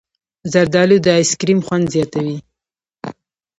زردالو د ایسکریم خوند زیاتوي.